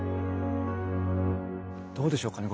どうでしょうかね？